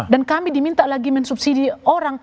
dan kami diminta lagi mensubsidi orang